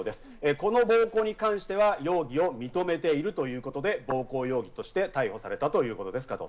この暴行に関しては容疑を認めているということで暴行容疑で逮捕されたということです。